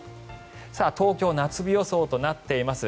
東京、夏日予想となっています。